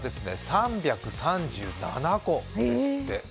３３７個ですって。